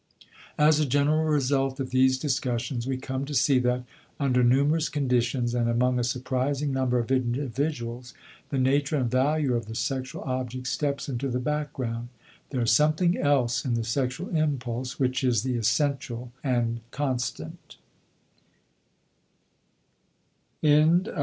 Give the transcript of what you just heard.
As a general result of these discussions we come to see that, under numerous conditions and among a surprising number of individuals, the nature and value of the sexual object steps into the background. There is something else in the sexual impulse which is the essential and constant.